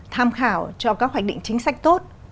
tham khảo cho các hoạch định chính sách tốt